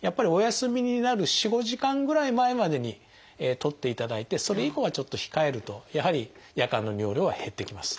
やっぱりお休みになる４５時間ぐらい前までにとっていただいてそれ以降はちょっと控えるとやはり夜間の尿量は減ってきます。